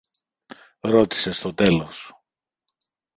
ρώτησε στο τέλος.